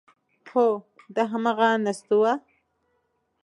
هو، دا همغه نستوه و…